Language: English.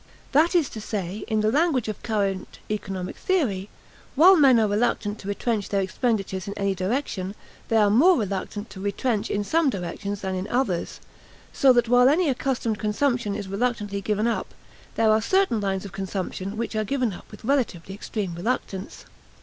That is to say, in the language of current economic theory, while men are reluctant to retrench their expenditures in any direction, they are more reluctant to retrench in some directions than in others; so that while any accustomed consumption is reluctantly given up, there are certain lines of consumption which are given up with relatively extreme reluctance.